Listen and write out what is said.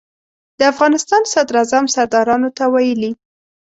د افغانستان صدراعظم سردارانو ته ویلي.